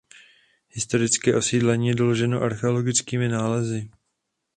Historické osídlení je doloženo archeologickými nálezy.